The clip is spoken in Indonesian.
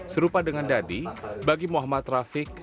serupa dengan dadi bagi muhammad rafiq